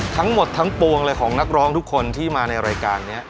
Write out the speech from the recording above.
ทั้งหมดทั้งปวงเลยของนักร้องทุกคนที่มาในรายการนี้